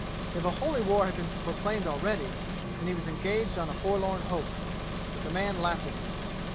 If a holy war had been proclaimed already, then he was engaged on a forlorn hope. But the man laughed at him.